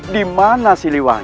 dimana si wang